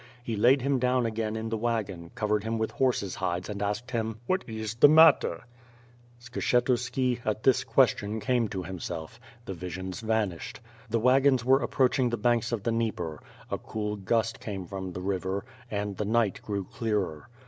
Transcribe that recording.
He laid him down again in the wagon, covered him with horses' hides and asked him: "What is the matter ?'' WITH FIRE AND SWORD. 157 Skshetufiki, at this question, came to himself; the visions vanished. The wagons were approaching the banks of the Dnieper; a cool gust came from the river, and the night grew clearer.